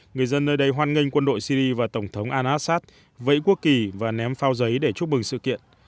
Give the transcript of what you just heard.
người dân nơi đây hoan nghênh quân đội syri và tổng thống al assad vẫy quốc kỳ và ném phao giấy để chúc mừng sự kiện